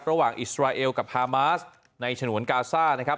อิสราเอลกับฮามาสในฉนวนกาซ่านะครับ